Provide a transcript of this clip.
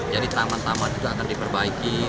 jadi taman taman itu akan diperbaiki